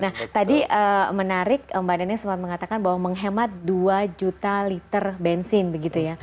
nah tadi menarik mbak deni sempat mengatakan bahwa menghemat dua juta liter bensin begitu ya